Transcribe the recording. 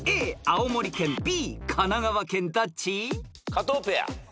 加藤ペア。